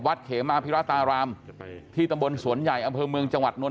เขมาพิราตารามที่ตำบลสวนใหญ่อำเภอเมืองจังหวัดนวล